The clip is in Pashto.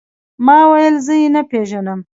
ما وويل زه يې نه پېژنم.